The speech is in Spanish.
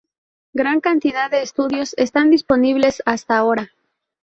Gran cantidad de estudios están disponibles hasta ahora.